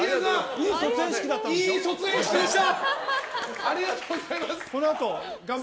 いい卒園式でした！